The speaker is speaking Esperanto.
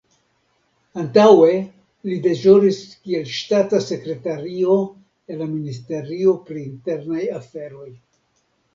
Antaŭe li deĵoris kiel ŝtata sekretario en la Ministerio pri internaj aferoj.